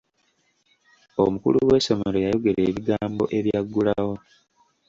Omukulu w'essomero yayogera ebigambo ebyaggulawo.